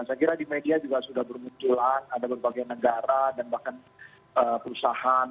saya kira di media juga sudah bermunculan ada berbagai negara dan bahkan perusahaan